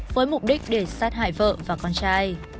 với mục đích để sát hại vợ và con trai